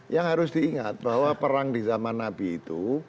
yang harus diingat bahwa perang di zaman nabi itu